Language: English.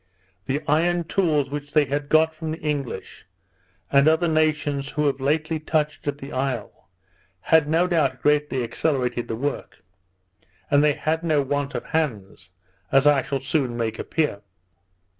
The iron tools which they had got from the English, and other nations who have lately touched at the isle, had no doubt greatly accelerated the work; and they had no want of hands, as I shall soon make appear.